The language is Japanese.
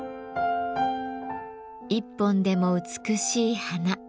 一本でも美しい花。